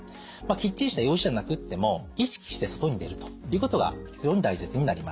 きっちりした用事じゃなくっても意識して外に出るということが非常に大切になります。